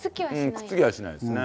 くっつきはしないですね。